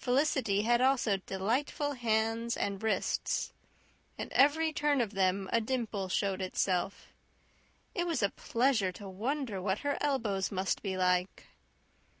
Felicity had also delightful hands and wrists. At every turn of them a dimple showed itself. It was a pleasure to wonder what her elbows must be like.